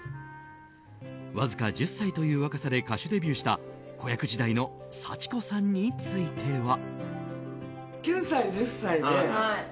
わずか１０歳という若さで歌手デビューした子役時代の幸子さんについては。